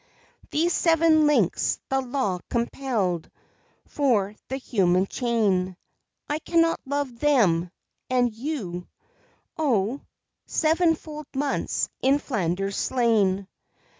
These seven links the Law compelled For the human chain I cannot love them; and you, oh, Seven fold months in Flanders slain!